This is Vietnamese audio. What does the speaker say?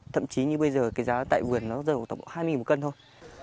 thậm chí như bây giờ cái giá tại vườn nó rơi vào tổng hai mươi một cân thôi